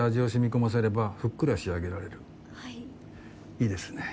いいですね。